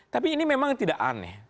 tapi ini memang tidak aneh